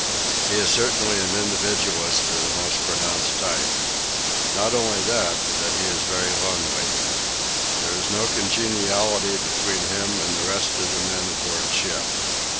He is certainly an individualist of the most pronounced type. Not only that, but he is very lonely. There is no congeniality between him and the rest of the men aboard ship.